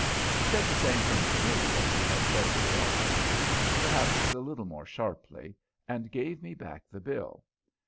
He said the same thing to me as he had said to the officers, perhaps a little more sharply, and gave me back the bill.